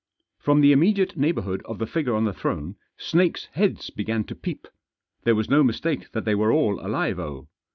From the immediate neighbourhood of the figure on the throne snakes' heads began to peep. There was no mistake that they were all alive oh